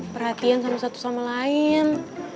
perhatian sama satu sama lain